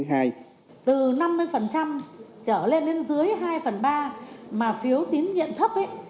từ năm mươi trở lên đến dưới hai phần ba mà phiếu tín nhiệm thấp ấy